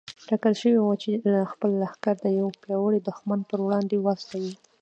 ټاکل شوې وه چې خپل لښکر د يوه پياوړي دښمن پر وړاندې واستوي.